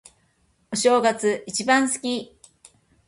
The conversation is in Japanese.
お正月、一番好き。